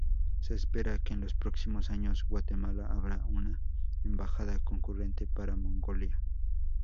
Se espera que en los próximos años Guatemala abra una embajada concurrente para Mongolia.